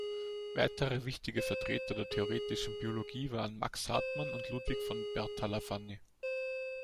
Weitere wichtige Vertreter der theoretischen Biologie waren Max Hartmann und Ludwig von Bertalanffy.